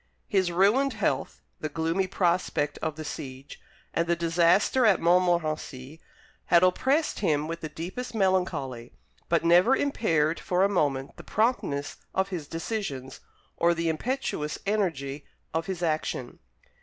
His ruined health, the gloomy prospect of the siege, and the disaster at Montmorenci, had oppressed him with the deepest melancholy, but never impaired for a moment the promptness of his decisions, or the impetuous energy of his action.